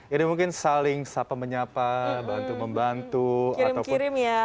ini mungkin saling sapa menyapa bantu membantu kirim kirim ya